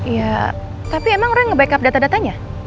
ya tapi emang roy ngebackup data datanya